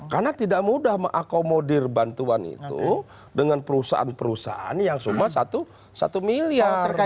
karena tidak mudah mengakomodir bantuan itu dengan perusahaan perusahaan yang sumbangan satu miliar